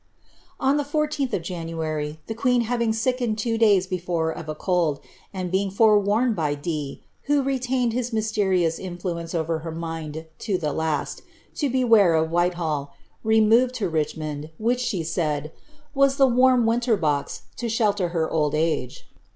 ' On the 14th of January, the queen having sickened two days before of a cold, and being forewarned by Dee, who retained his mysterious influence over her mind to the last, to beware of Whitehall,' removed to Richmond, which she said, ^ was the warm winter box to slielter her old age."